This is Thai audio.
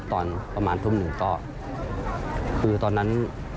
ตอนประมาณทุ่มหนึ่งก็คือตอนนั้น